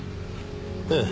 ええ。